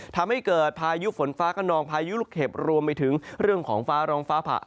ทำให้เกิดพายุฝนฟ้าขนองพายุลูกเห็บรวมไปถึงเรื่องของฟ้าร้องฟ้าผ่า